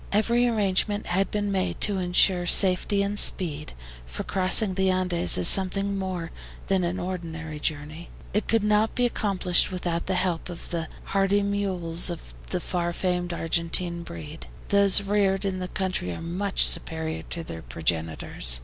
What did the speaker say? Every arrangement had been made to insure safety and speed, for crossing the Andes is something more than an ordinary journey. It could not be accomplished without the help of the hardy mules of the far famed Argentine breed. Those reared in the country are much superior to their progenitors.